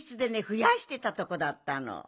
ふやしてたとこだったの。